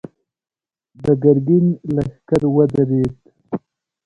د ګرګين لښکر ودرېد.